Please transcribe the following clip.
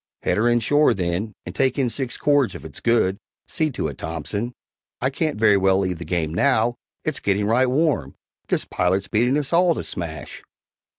"Head her in shore, then, and take in six cords if it's good see to it, Thompson; I can't very well leave the game now it's getting right warm! This pilot's beating us all to smash."